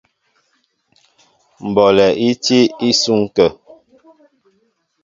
Mbɔlɛ í tí isúŋ atə̂.